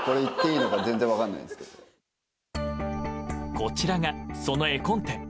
こちらが、その絵コンテ。